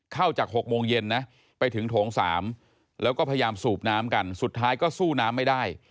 เข้าจาก๖โมงเย็นนะไปถึงโถง๓แล้วก็พยายามสูบน้ำกันสุดท้ายก็สู้น้ำไม่ได้